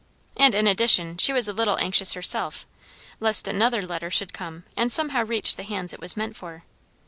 And in addition, she was a little anxious herself, lest another letter should come and somehow reach the hands it was meant for.